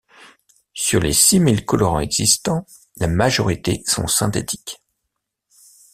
Sur les six mille colorants existants, la majorité sont synthétiques.